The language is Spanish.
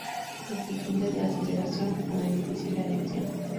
La existencia de aceleración pone difícil la elección.